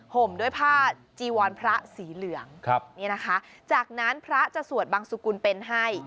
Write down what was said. ห่มด้วยผ้าจีวรพระสีเหลืองนี่นะคะจากนั้นพระจะสวดบังสุกุลเป็นให้